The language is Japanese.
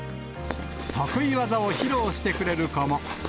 得意技を披露してくれる子も。